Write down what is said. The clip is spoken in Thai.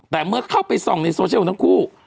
แต่เมื่อเข้าไปส่องในโซเชียลของทั้งคู่